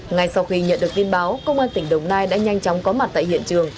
ngay sau khi nhận được tin báo công an tỉnh đồng nai đã nhanh chóng có mặt tại hiện trường